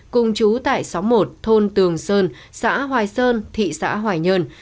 cùng chú tại sáu mươi một thôn tường sơn xã hoài sơn thị xã hoài nhơn